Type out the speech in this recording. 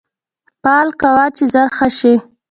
پال کوه چې زر ښه شې